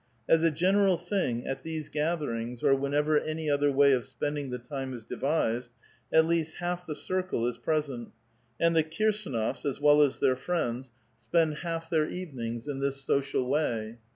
As a general thing, at these gatherings, or whenever any other way of spending the time is devised, at least half the circle is pres ent, and the Kirsdnofs, as well as their friends, spend half 862 A VITAL QUESTION. their eTenings in this social way.